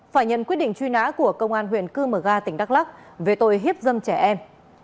phải nhận quyết định truy nã của công an huyện cư mờ ga tỉnh đắk lắc về tội hiếp dâm trẻ em